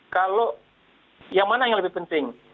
kalau yang mana yang lebih penting